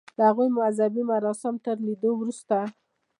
د هغوی مذهبي مراسم تر لیدو وروسته.